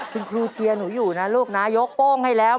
คุณครูเชียร์หนูอยู่นะลูกนะยกโป้งให้แล้ว